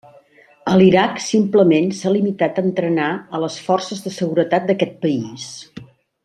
A l'Iraq, simplement s'ha limitat a entrenar a les forces de seguretat d'aquest país.